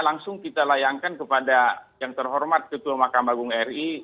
langsung kita layankan kepada yang terhormat ketua mahkamah agung ri